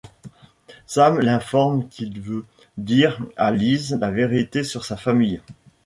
Sam l'informe qu'il veut dire à Liz la vérité sur sa famille.